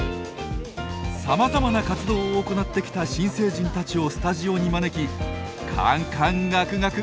さまざまな活動を行ってきた新成人たちをスタジオに招き侃々